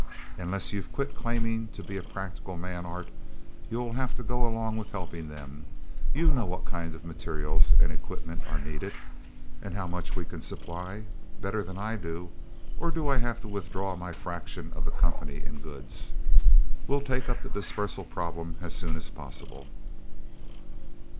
Unless you've quit claiming to be a practical man, Art, you'll have to go along with helping them. You know what kind of materials and equipment are needed, and how much we can supply, better than I do. Or do I have to withdraw my fraction of the company in goods? We'll take up the dispersal problem as soon as possible."